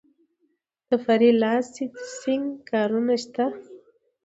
د فری لانسینګ کارونه شته؟